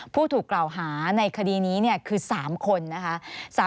ผู้ถูกกล่าวหาในคดีนี้คือ๓คนนะคะ